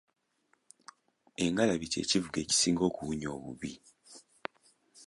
Engalabi kye kivuga ekisinga okuwunya obubi.